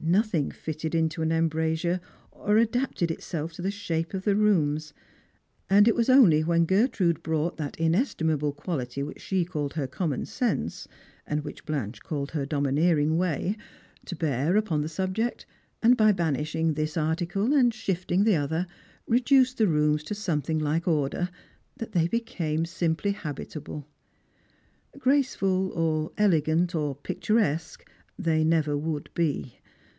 Nothing fitted into an embrasure, or adapted itself to the shape of the rooms; and it was only when Gertrude brought that inestimable quality which she called her common scHse, and Strangers and Pilf/rims. 241 which Bfanche called her domineering way, to bear upon the subject, and by banishing this article and shifting the other, reduced the rooms to something like order, that they became simply habitable. Graceful, or elegant, or picturesque they never would be.